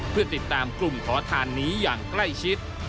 เพื่อติดตามกลุ่มขอทานนี้อย่างใกล้ชิด